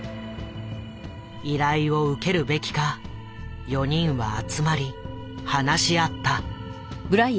依頼を受けるべきか４人は集まり話し合った。